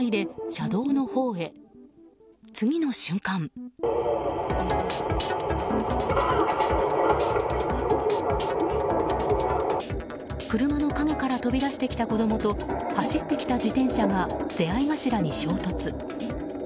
車の陰から飛び出してきた子供と走ってきた自転車が出合い頭に衝突。